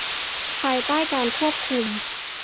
ภายใต้การควบคุม